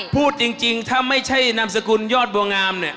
พูดจริงถ้าไม่ใช่นามสกุลยอดบัวงามเนี่ย